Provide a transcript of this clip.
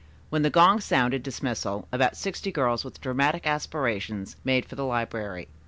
When the gong sounded dismissal, about sixty girls with dramatic aspirations made for the library.